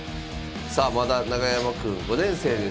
さあまだ永山くん５年生です。